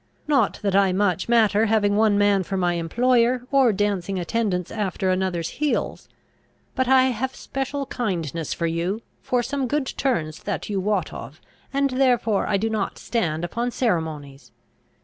Not that I much matter having one man for my employer, or dancing attendance after another's heels; but I have special kindness for you, for some good turns that you wot of, and therefore I do not stand upon ceremonies!